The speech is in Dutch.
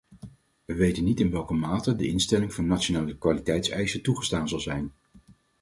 We weten niet in welke mate de instelling van nationale kwaliteitseisen toegestaan zal zijn.